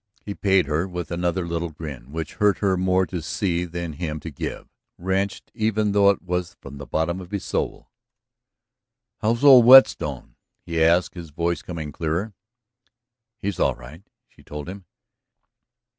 He paid her with another little grin, which hurt her more to see than him to give, wrenched even though it was from the bottom of his soul. "How's old Whetstone?" he asked, his voice coming clearer. "He's all right," she told him.